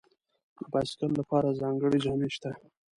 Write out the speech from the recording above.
د بایسکل لپاره ځانګړي جامې شته.